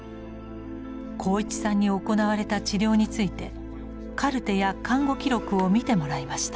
鋼一さんに行われた治療についてカルテや看護記録を見てもらいました。